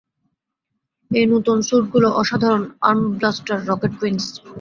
এই নতুন স্যুটগুলো অসাধারণ, আর্ম ব্লাস্টার, রকেট উইংস।